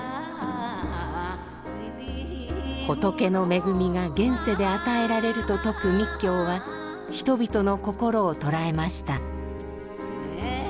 仏の恵みが現世で与えられると説く密教は人々の心を捉えました。